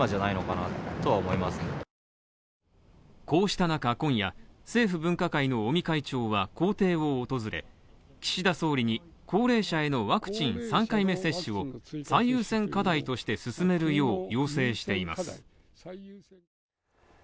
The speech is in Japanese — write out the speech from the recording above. こうした中今夜、政府分科会の尾身会長は、公邸を訪れ、岸田総理に高齢者へのワクチン３回目接種を最優先課題として進めるよう要請しています。